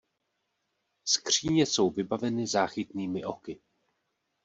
Skříně jsou vybaveny záchytnými oky.